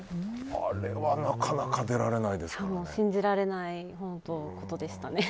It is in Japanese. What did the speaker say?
あれはなかなか信じられないことでしたね。